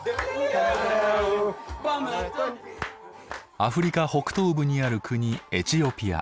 アフリカ北東部にある国エチオピア。